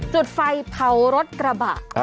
จุดไฟเผารถกระบะ